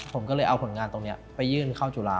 ผมก็เลยเอาผลงานตรงนี้ไปยื่นเข้าจุฬา